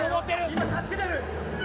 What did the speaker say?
「今助けてやる！」